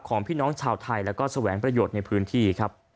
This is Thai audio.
ของพี่น้องชาวไทยและสแหวงประโยชน์ในพื้นที่